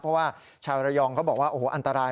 เพราะว่าชาวระยองเขาบอกว่าโอ้โหอันตราย